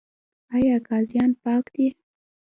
آیا قاضیان پاک دي؟